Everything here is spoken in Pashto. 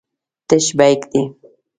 تش بیک دی.